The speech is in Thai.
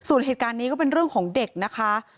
ส่วนเหตุการณ์นี้ก็เป็นเรื่องของเด็กนะคะ